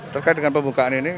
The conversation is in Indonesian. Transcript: terkait dengan pembukaan ini